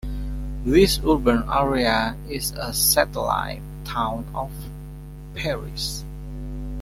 This urban area is a satellite town of Paris.